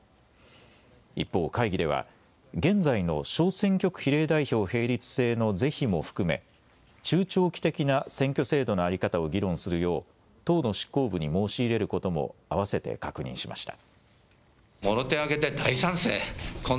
一方、会議では現在の小選挙区比例代表並立制の是非も含め中長期的な選挙制度の在り方を議論するよう党の執行部に申し入れることも併せて確認しました。